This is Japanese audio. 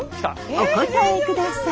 お答えください。